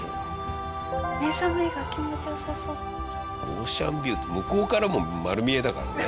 オーシャンビューって向こうからも丸見えだからね。